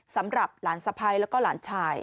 สำหรับหลานสะพ้ายแล้วก็หลานชาย